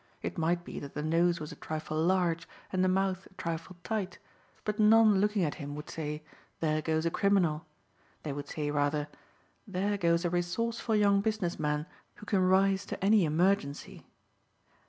It might be that the nose was a trifle large and the mouth a trifle tight, but none looking at him would say, "There goes a criminal." They would say, rather, "There goes a resourceful young business man who can rise to any emergency."